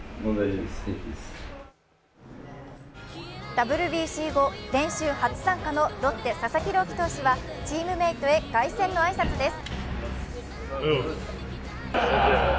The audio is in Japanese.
ＷＢＣ後、練習初参加のロッテ・佐々木朗希投手はチームメートへ凱旋の挨拶です。